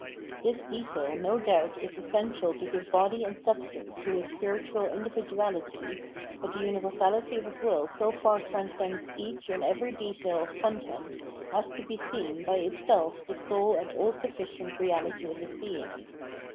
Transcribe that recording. This detail no doubt is essential to give body and substance to Ms spiritual individuality, but the universality of his will so far tran scends each and every detail of content as to seem by itself the sole and all sufficient reality of his being.